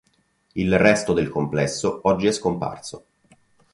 Il resto del complesso oggi è scomparso.